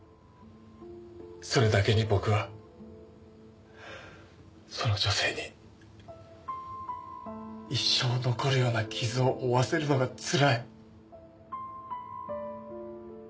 それだけに僕はその女性に一生残るような傷を負わせるのがつらい。